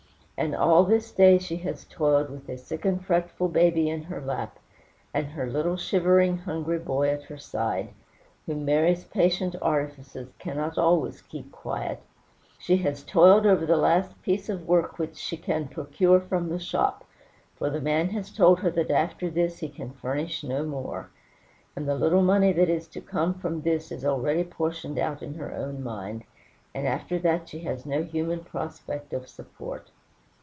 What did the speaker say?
And all this day she has toiled with a sick and fretful baby in her lap, and her little shivering, hungry boy at her side, whom Mary's patient artifices cannot always keep quiet; she has toiled over the last piece of work which she can procure from the shop, for the man has told her that after this he can furnish no more; and the little money that is to come from this is already portioned out in her own mind, and after that she has no human prospect of support.